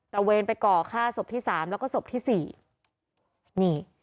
ตะเวรไปก่อฆ่าชีวิตที่๓แล้วก็ชีวิตที่๔